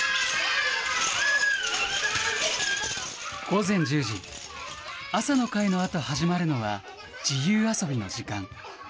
午前１０時、朝の会のあと始まるのは、自由遊びの時間。